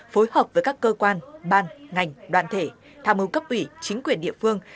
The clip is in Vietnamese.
phối hợp với các cơ quan ban ngành đoàn thể tham hứng cấp ủy chính quyền địa phương